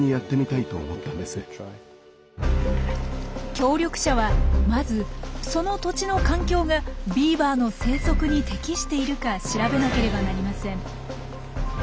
協力者はまずその土地の環境がビーバーの生息に適しているか調べなければなりません。